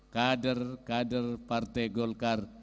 kader kader partai golkar